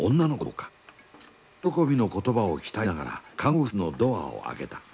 よろこびの言葉を期待しながら看護婦室のドアを開けた。